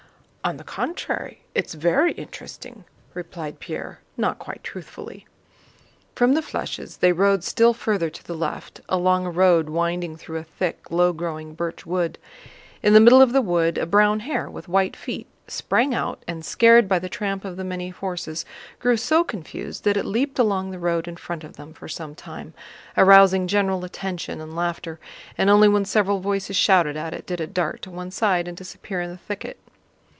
"On the contrary it's very interesting!" replied Pierre not quite truthfully. From the flèches they rode still farther to the left, along a road winding through a thick, low growing birch wood. In the middle of the wood a brown hare with white feet sprang out and, scared by the tramp of the many horses, grew so confused that it leaped along the road in front of them for some time, arousing general attention and laughter, and only when several voices shouted at it did it dart to one side and disappear in the thicket.